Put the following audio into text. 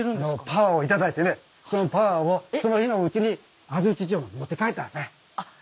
パワーをいただいてねそのパワーをその日のうちに安土城まで持って帰ったんです。